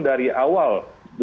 dari awal dua ribu sembilan belas